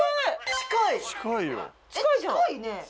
近いね。